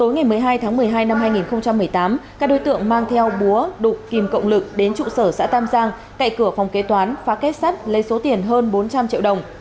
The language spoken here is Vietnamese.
năm hai nghìn một mươi tám các đối tượng mang theo búa đục kìm cộng lực đến trụ sở xã tam giang cậy cửa phòng kế toán phá kết sắt lấy số tiền hơn bốn trăm linh triệu đồng